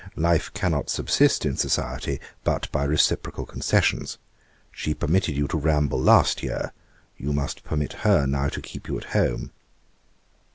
Life cannot subsist in society but by reciprocal concessions. She permitted you to ramble last year, you must permit her now to keep you at home.